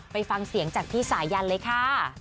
ไปฟังเสียงจากพี่สายันเลยค่ะ